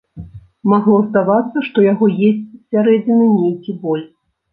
Магло здавацца, што яго есць з сярэдзіны нейкі боль.